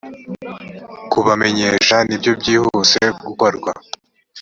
kubamenyesha nibyo byihuse gukorwa